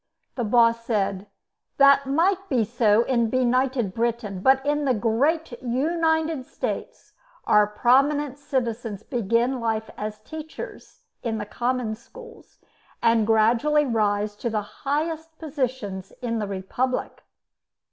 The boss said: "That might be so in benighted Britain, but in the Great United States our prominent citizens begin life as teachers in the common schools, and gradually rise to the highest positions in the Republic."